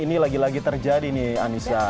ini lagi lagi terjadi nih anissa